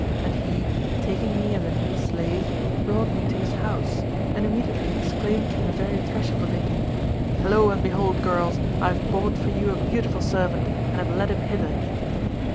And he, taking me as a new slave, brought me to his house, and immediately exclaimed from the very threshold of it, " Lo, and behold, girls, I have bought for you a beautiful servant, and have led him hither."